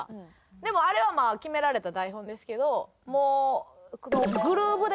でもあれはまあ決められた台本ですけどもう。